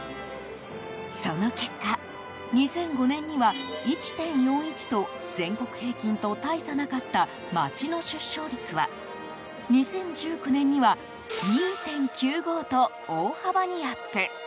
その結果２００５年には１．４１と全国平均と大差なかった町の出生率は２０１９年には２．９５と大幅にアップ。